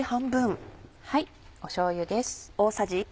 しょうゆです。